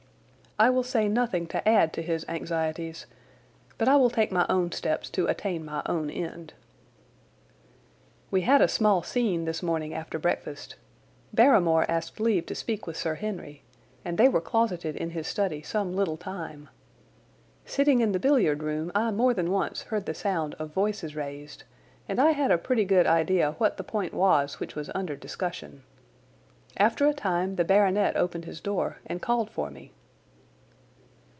I will say nothing to add to his anxieties, but I will take my own steps to attain my own end. We had a small scene this morning after breakfast. Barrymore asked leave to speak with Sir Henry, and they were closeted in his study some little time. Sitting in the billiard room I more than once heard the sound of voices raised, and I had a pretty good idea what the point was which was under discussion. After a time the baronet opened his door and called for me.